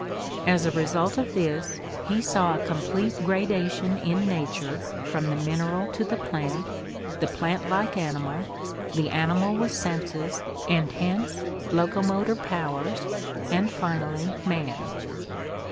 As a result of this, he saw a com plete gradation in nature from the mineral to the plant, the plant like animal, the animal with senses and hence locomotor powers, and finally man.